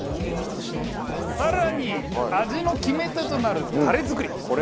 更に味の決め手となるタレ作り。